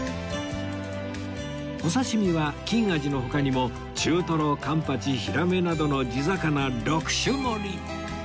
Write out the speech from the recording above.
お刺し身は金アジの他にも中トロカンパチヒラメなどの地魚６種盛り